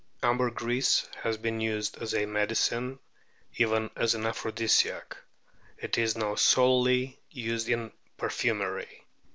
Ambergris has been used as a medicine, even as an aphrodisiac ; it is now solely used in perfumery.